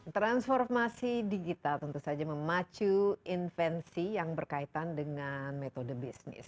transformasi digital tentu saja memacu invensi yang berkaitan dengan metode bisnis